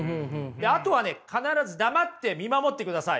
あとはね必ず黙って見守ってくださいよ。